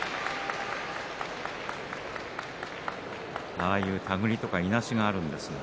ああいう手繰りとかいなしがあるんですが